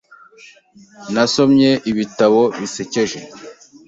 Nasomye ibitabo bisekeje .